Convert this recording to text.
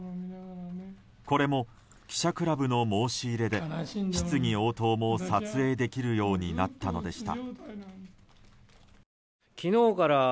これも記者クラブの申し入れで質疑応答も撮影できるようになったのでした。